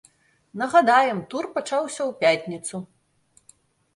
Нагадаем, тур пачаўся ў пятніцу.